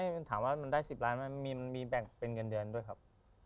มันถามว่ามันได้๑๐ล้านไหมมันมีแบ่งเป็นเงินเดือนด้วยครับ